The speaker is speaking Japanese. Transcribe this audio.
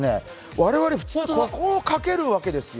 我々、普通こうかけるわけですよ。